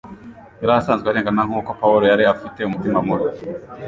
Yari asanzwe arengana nkuko Pawulo yari afite umutima mubi